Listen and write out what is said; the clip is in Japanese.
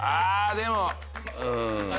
でも。